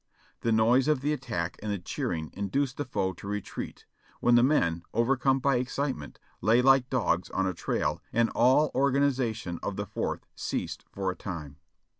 The noise of the attack and the cheering induced the foe to retreat, when the men, overcome by excitement, lay like dogs on a trail and all organization of the Fourth ceased for a time.